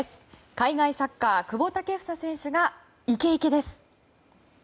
海外サッカー、久保建英選手がイケイケです！